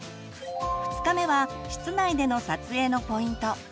２日目は室内での撮影のポイント。